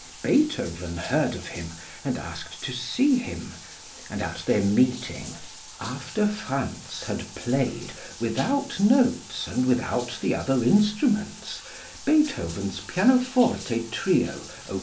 Beethoven heard of him, and asked to see him, and at their meeting, after Franz had played, without notes and without the other instruments, Beethoven's pianoforte trio, Op.